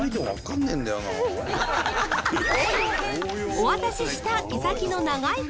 お渡しした毛先の長い筆。